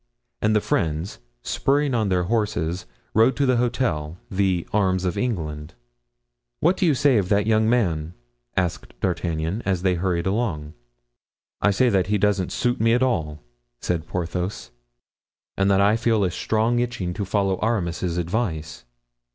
And the friends, spurring on their horses, rode to the hotel, the "Arms of England." "What do you say of that young man?" asked D'Artagnan, as they hurried along. "I say that he doesn't suit me at all," said Porthos, "and that I feel a strong itching to follow Aramis's advice."